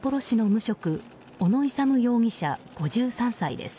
無職小野勇容疑者、５３歳です。